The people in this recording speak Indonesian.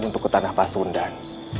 untuk ke tanah pak sundan